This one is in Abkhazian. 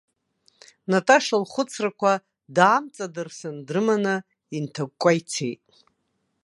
Наташа лхәыцрақәа даамҵадырсын, дрыманы инҭакәкәа ицеит.